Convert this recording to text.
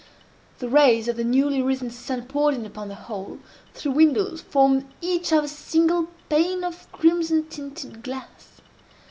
The rays of the newly risen sun poured in upon the whole, through windows, formed each of a single pane of crimson tinted glass.